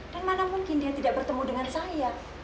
dan mana mungkin dia tidak bertemu dengan saya